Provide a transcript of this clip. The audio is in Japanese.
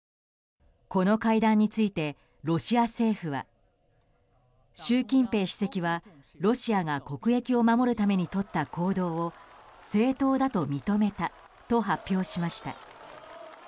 この会談についてロシア政府は習近平主席は、ロシアが国益を守るためにとった行動を正当だと認めたと発表しました。